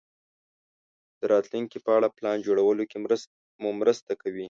د راتلونکې په اړه پلان جوړولو کې مو مرسته کوي.